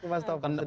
mas toko sedikit